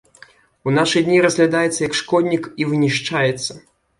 У нашы дні разглядаецца як шкоднік і вынішчаецца.